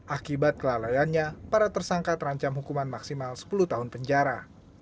akibat kelalaiannya para tersangka terancam hukuman maksimal sepuluh tahun penjara